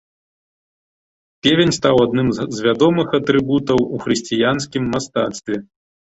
Певень стаў адным з вядомых атрыбутаў у хрысціянскім мастацтве.